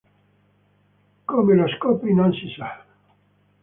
Come lo scoprì, non si sa.